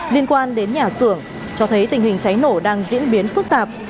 liên quan đến nhà xưởng cho thấy tình hình cháy nổ đang diễn biến phức tạp